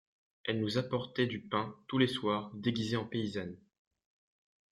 Elle nous apportait du pain tous les soirs, déguisée en paysanne.